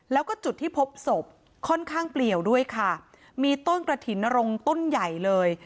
แล้วก็จุดที่พบศพค่อนข้างเปลี่ยวด้วยค่ะมีต้นกระถิ่นนรงต้นใหญ่เลย